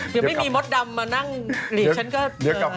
เดี๋ยวไม่มีมดดำมานั่งหลีก